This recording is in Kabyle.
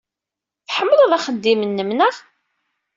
Tḥemmleḍ axeddim-nnem, naɣ?